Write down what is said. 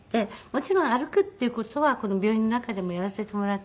もちろん歩くっていう事はこの病院の中でもやらせてもらっていたので。